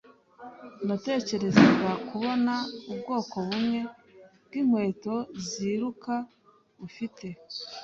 Natekerezaga kubona ubwoko bumwe bwinkweto ziruka ufite.